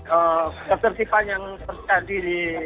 persertifan yang terjadi di